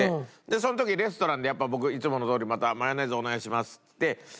その時レストランでやっぱ僕いつものとおりまた「マヨネーズお願いします」っつって。